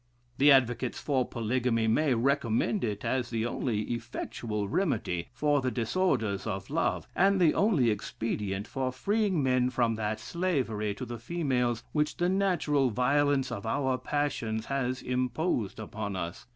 The advocates for polygamy may recommend it as the only effectual remedy for the disorders of love, and the only expedient for freeing men from that slavery to the females which the natural violence of our passions has imposed upon us.